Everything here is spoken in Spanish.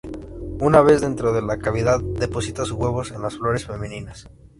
Una vez dentro de la cavidad deposita sus huevos en las flores femeninas.